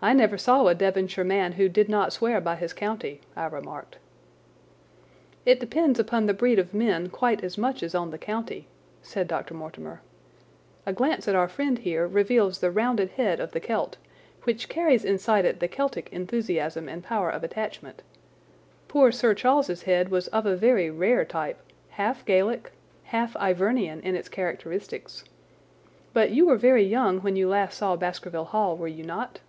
"I never saw a Devonshire man who did not swear by his county," I remarked. "It depends upon the breed of men quite as much as on the county," said Dr. Mortimer. "A glance at our friend here reveals the rounded head of the Celt, which carries inside it the Celtic enthusiasm and power of attachment. Poor Sir Charles's head was of a very rare type, half Gaelic, half Ivernian in its characteristics. But you were very young when you last saw Baskerville Hall, were you not?"